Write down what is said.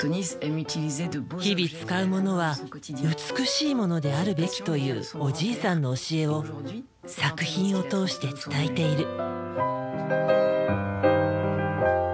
日々使うものは美しいものであるべきというおじいさんの教えを作品を通して伝えている。